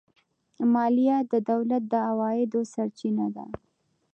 مالیه د دولت د عوایدو سرچینه ده.